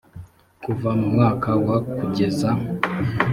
kuva mu mwaka wa kugeza